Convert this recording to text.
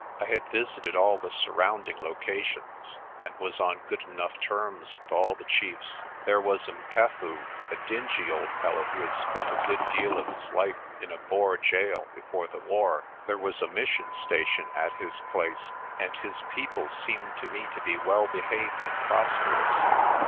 I had visited all the surrounding locations, and was on good enough terms with all the chiefs. There was 'Mpefu, a dingy old fellow who had spent a good deal of his life in a Boer gaol before the war. There was a mission station at his place, and his people seemed to me to be well behaved and prosperous.